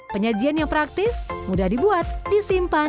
penyajian yang praktis mudah dibuat disimpan